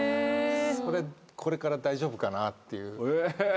それこれから大丈夫かなっていう。